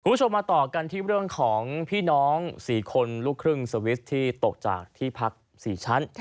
คุณผู้ชมมาต่อกันที่เรื่องของพี่น้อง๔คนลูกครึ่งสวิสที่ตกจากที่พัก๔ชั้น